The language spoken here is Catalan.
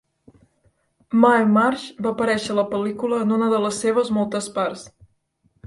Mae Marsh va aparèixer a la pel·lícula en una de les seves moltes parts.